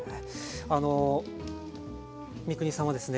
あの三國さんはですね